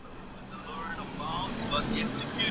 ولي کوښښ کوونکی د مخکښ سړي په پرتله ژر بریالی کېږي؟